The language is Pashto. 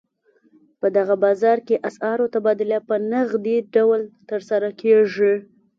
په دغه بازار کې اسعارو تبادله په نغدي ډول ترسره کېږي.